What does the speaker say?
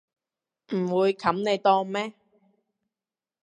唔會冚你檔咩